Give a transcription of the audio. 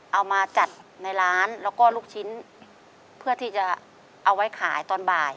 เอามาจัดในร้านแล้วก็ลูกชิ้นเพื่อที่จะเอาไว้ขายตอนบ่าย